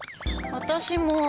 私も。